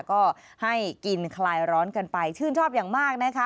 ก็ให้กินคลายร้อนกันไปชื่นชอบอย่างมากนะคะ